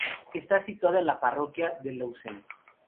Está situada en la parroquia de Lousame.